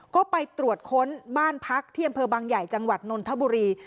ก็ไปตรวจค้นบ้านพักที่อำเภอบางใหญ่จังหวัดนนทบุรี